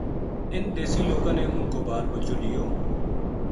اِنھ دیسی لوکاں نے ان کو بال بچو لیو